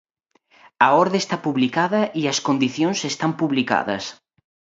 A orde está publicada e as condicións están publicadas.